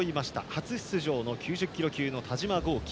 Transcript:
初出場の９０キロ級の田嶋剛希。